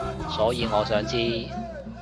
所以我想知